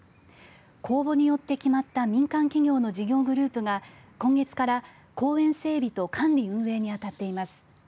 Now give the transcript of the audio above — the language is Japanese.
公募によって決まった民間企業の事業グループが今月から公園整備と管理運営に当たっています。